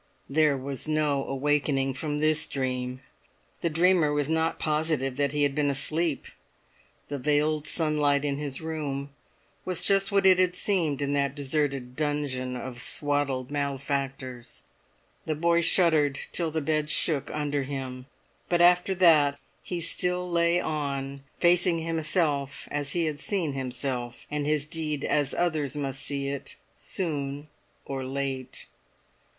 There was no awaking from this dream: the dreamer was not positive that he had been asleep. The veiled sunlight in his room was just what it had seemed in that deserted dungeon of swaddled malefactors. The boy shuddered till the bed shook under him. But after that he still lay on, facing himself as he had seen himself, and his deed as others must see it soon or late.